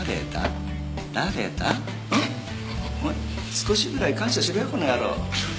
少しぐらい感謝しろよこの野郎。